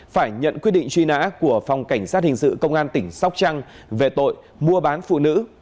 phải nhận quyết định truy nã của phòng cảnh sát hình sự công an tỉnh sóc trăng về tội mua bán phụ nữ